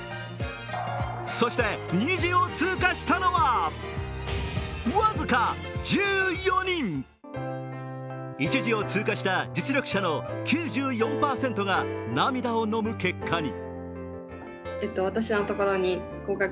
そして２次を通過したのは僅か１４人１次を通過した実力者の９４％が涙をのむ結果に。